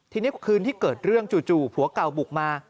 ทีนี้คืนที่เกิดเรื่องจู่ผัวเก่าบุกมา